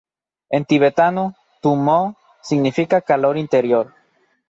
En tibetano "tu-mmo" significa ‘calor interior’.